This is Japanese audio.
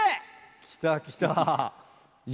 きたきた。